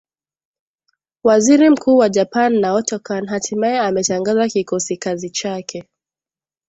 waziri mkuu wa japan naoto kan hatimaye ametangaza kikosi kazi chake